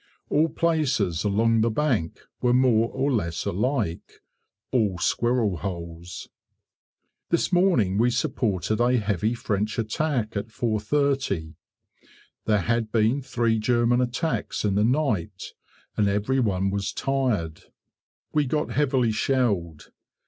All places along the bank were more or less alike, all squirrel holes. This morning we supported a heavy French attack at 4.30; there had been three German attacks in the night, and everyone was tired. We got heavily shelled.